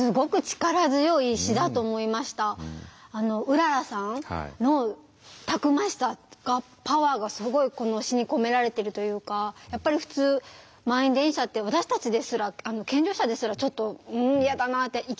うららさんのたくましさがパワーがすごいこの詩に込められているというかやっぱり普通満員電車って私たちですら健常者ですらちょっと「ん嫌だな」って